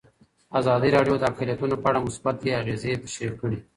ازادي راډیو د اقلیتونه په اړه مثبت اغېزې تشریح کړي.